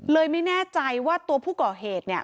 เลยไม่แน่ใจว่าตัวผู้ก่อเหตุ